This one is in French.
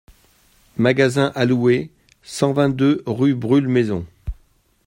Magasin à louer, cent vingt-deux, rue Brûle-Maison.